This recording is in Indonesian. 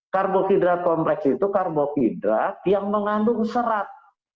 karbohidrat kompleks itu karbohidrat yang mengandung serat